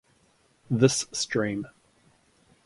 This stream.